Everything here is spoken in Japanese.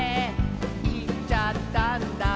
「いっちゃったんだ」